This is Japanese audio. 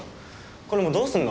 これもうどうすんの？